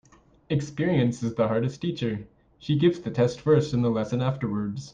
Experience is the hardest teacher. She gives the test first and the lesson afterwards.